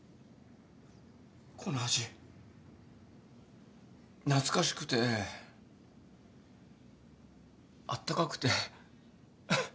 この味懐かしくてあったかくて。